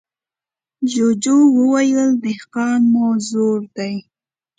جوجو وويل: دهقان مو زوړ دی.